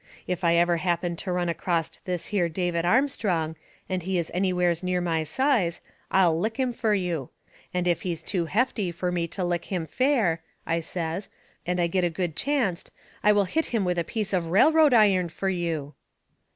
If I ever happen to run acrost this here David Armstrong, and he is anywheres near my size, I'll lick him fur you. And if he's too hefty fur me to lick him fair," I says, "and I get a good chancet I will hit him with a piece of railroad iron fur you."